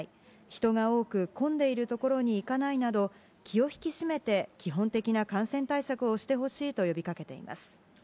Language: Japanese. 人が多く混んでいる所に行かないなど、気を引き締めて基本的な感染対策をしてほしいと呼びかけています。